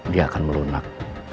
dia akan melunak